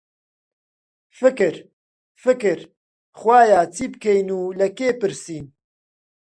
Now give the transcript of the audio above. فکر، فکر، خوایە چی بکەین و لە کێ پرسین؟